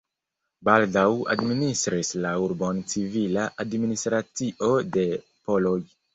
Baldaŭ administris la urbon civila administracio de poloj.